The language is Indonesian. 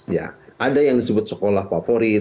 ya ada yang disebut sekolah favorit